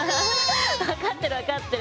分かってる分かってる。